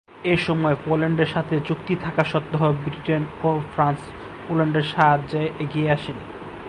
এসময় পোল্যান্ডের সাথে চুক্তি থাকা সত্ত্বেও ব্রিটেন ও ফ্রান্স পোল্যান্ডের সাহায্যে এগিয়ে আসেনি।